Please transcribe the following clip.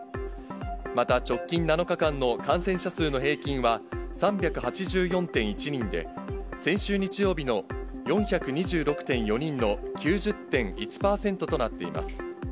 また、直近７日間の感染者数の平均は３８４．１人で、先週日曜日の４２６．４人の９０．１％となっています。